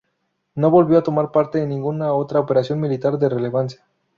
No volvió a tomar parte en ninguna otra operación militar de relevancia.